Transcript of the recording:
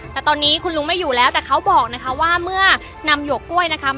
แต่ตอนนี้คุณลุงไม่อยู่แล้วแต่เขาบอกนะคะว่าเมื่อนำหยวกกล้วยนะคะ